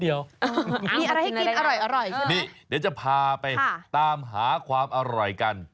เดี๋ยวจะพาไปตามหาความอร่อยกัน